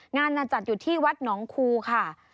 งานจัดอยู่ที่วัดหนองคูค่ะ